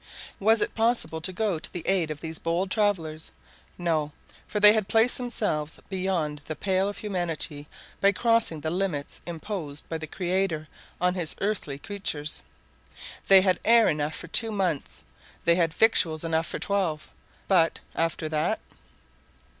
Was it possible to go to the aid of these bold travelers? No! for they had placed themselves beyond the pale of humanity, by crossing the limits imposed by the Creator on his earthly creatures. They had air enough for two months; they had victuals enough for _twelve;—but after that?